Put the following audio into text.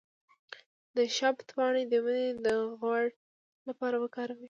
د شبت پاڼې د وینې د غوړ لپاره وکاروئ